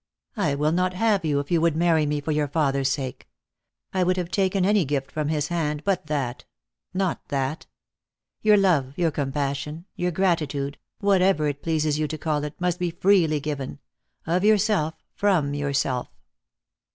I will not have you if you would marry me for your father's sake. I would have taken any gift from his hand but that; not that. Your love, your compassion, your gratitude, whatever it pleases you to call it, must be freely given ; of your self, from yourself."